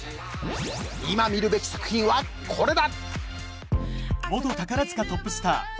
今見るべき作品はこれだ！